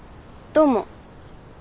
どうも。